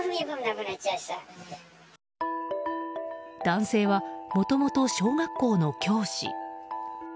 男性はもともと小学校の教師。